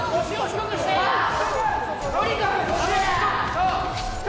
そう！